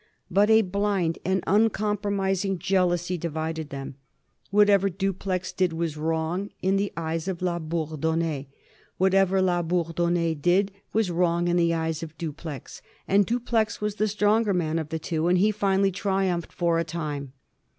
But a blind and uncompromising jealousy divided them. Whatever Dupleix did was wrong in the eyes of La Bourdonnais; whatever La Bourdonnais did was wrong in the eyes of Dupleix; and Dupleix was the stronger man of the two, and he finally triumphed for a time.